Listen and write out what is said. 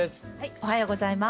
おはようございます。